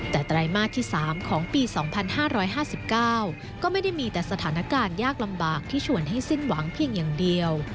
แต่ไตรมาสที่๓ของปี๒๕๕๙ก็ไม่ได้มีแต่สถานการณ์ยากลำบากที่ชวนให้สิ้นหวังเพียงอย่างเดียว